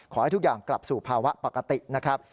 ขอให้ทุกอย่างกลับสู่ภาวะปกตินะครับ